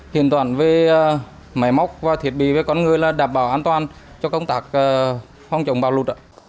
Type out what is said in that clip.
hiện toàn với máy móc và thiết bị với con người là đảm bảo an toàn cho công tác phong trọng bao lụ